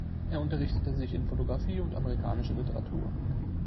Er unterrichtete sich in Fotografie und amerikanischer Literatur.